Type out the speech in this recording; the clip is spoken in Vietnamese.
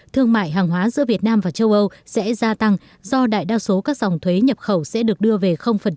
thương mại hàng hóa giữa việt nam và châu âu sẽ gia tăng do đại đa số các dòng thuế nhập khẩu sẽ được đưa về